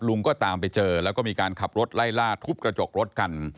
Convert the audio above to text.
ลุงก็ตามไปเจอแล้วก็มีการขับรถไล่ล่าทุบกระจกรถกัน